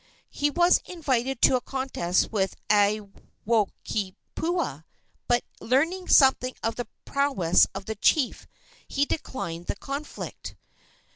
He was invited to a contest with Aiwohikupua, but, learning something of the prowess of the chief, he declined the conflict.